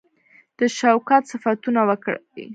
د شوکت صفتونه وکړي.